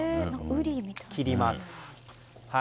切ります。